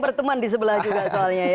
berteman disebelah juga soalnya ya